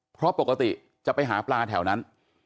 เพราะปกติจะไปหาปลาแถวนั้น